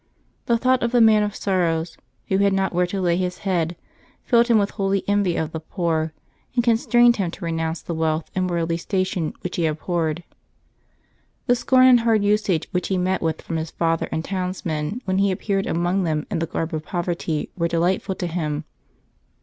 The thought of the Man of Sorrows, Who had not where to lay His head, filled him with holy envy of the poor, and constrained him to renounce the wealth and worldly station which he ab horred. The scorn and hard usage which he met with from his father and townsmen when he appeared among them in the garb of poverty were delightful to him.